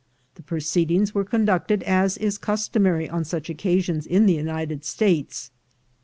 The proceedings were conducted as is customary on such occasions in the United States.